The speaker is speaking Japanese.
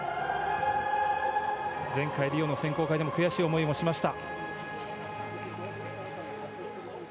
前回リオの選考会でも悔しい思いもしました。